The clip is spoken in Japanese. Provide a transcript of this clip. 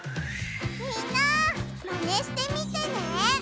みんなマネしてみてね！